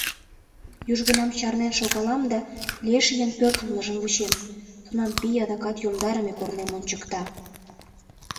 Южгунам чарнен шогалам да Лешийын пӧртылмыжым вучем, тунам пий адакат йомдарыме корнем ончыкта.